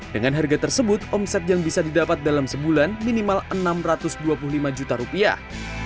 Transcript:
dengan harga tersebut omset yang bisa didapat dalam sebulan minimal enam ratus dua puluh lima juta rupiah